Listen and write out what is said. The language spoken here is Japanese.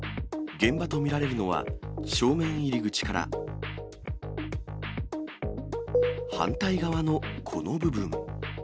現場と見られるのは、正面入り口から、反対側のこの部分。